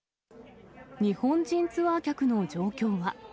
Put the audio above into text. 日本人ツアー客の状況は。